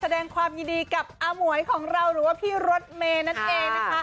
แสดงความยินดีกับอาหมวยของเราหรือว่าพี่รถเมย์นั่นเองนะคะ